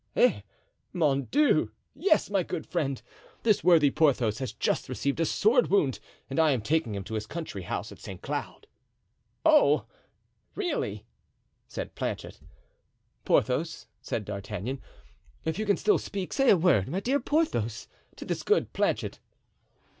"Eh! mon Dieu! yes, my good friend, this worthy Porthos has just received a sword wound and I am taking him to his country house at Saint Cloud." "Oh! really," said Planchet. "Porthos," said D'Artagnan, "if you can still speak, say a word, my dear Porthos, to this good Planchet."